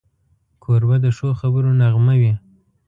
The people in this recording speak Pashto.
کوربه د ښو خبرو نغمه وي.